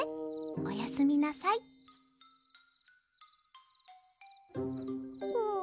おやすみなさいぷん。